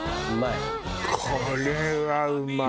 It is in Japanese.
これはうまいよ。